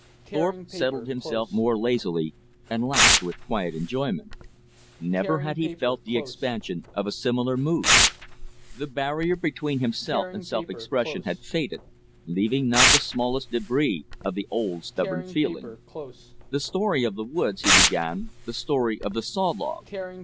Thorpe settled himself more lazily, and laughed with quiet enjoyment. Never had he felt the expansion of a similar mood. The barrier between himself and self expression had faded, leaving not the smallest debris of the old stubborn feeling. "The story of the woods," he began, "the story of the saw log.